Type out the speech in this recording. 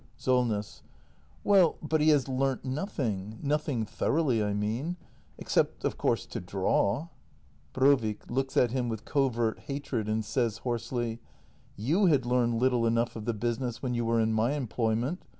Solness. Well, but he has learnt nothing— nothing thoroughly, I mean. Except, of course, to draw. Brovik. [Looks at him with covert hatred, and says hoarsely.] You had learned little enough of the business when you were in my employment.